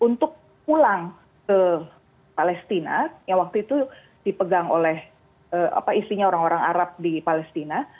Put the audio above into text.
untuk pulang ke palestina yang waktu itu dipegang oleh apa isinya orang orang arab di palestina